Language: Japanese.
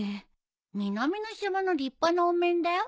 南の島の立派なお面だよ。